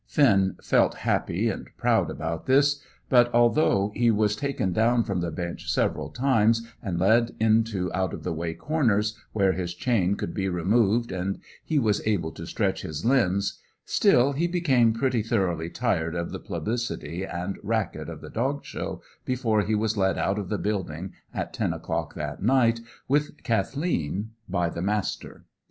Finn felt happy and proud about this, but, although he was taken down from the bench several times and led into out of the way corners where his chain could be removed and he was able to stretch his limbs, still, he became pretty thoroughly tired of the publicity and racket of the Dog Show before he was led out of the building at ten o'clock that night, with Kathleen, by the Master.